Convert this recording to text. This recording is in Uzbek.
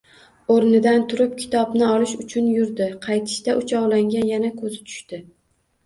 O`rnidan turib, kitobni olish uchun yurdi, qaytishda uchovlonga yana ko`zi tushdi